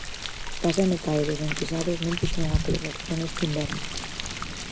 Case a metade dos enquisados non puxeron a calefacción este inverno.